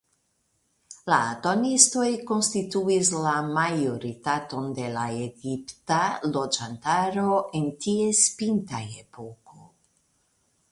La atonistoj konstituis la majoritaton de la egipta loĝantaro en ties pinta epoko.